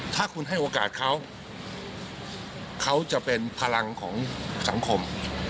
ถ้าคุณให้โอกาสเขาเขาจะเป็นพลังของสังคม